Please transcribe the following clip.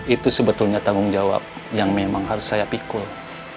itu sebetulnya tanggung jawab yang memang harus saya pikul